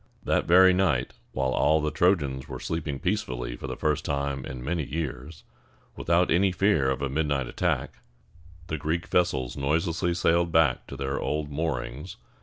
That very night, while all the Trojans were sleeping peacefully for the first time in many years, without any fear of a midnight attack, the Greek vessels noiselessly sailed back to their old moorings.